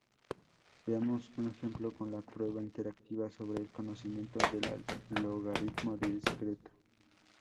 Veamos un ejemplo con la prueba interactiva sobre el conocimiento del logaritmo discreto.